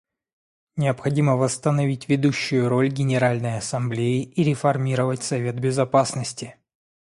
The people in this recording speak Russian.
Необходимо восстановить ведущую роль Генеральной Ассамблеи и реформировать Совет Безопасности.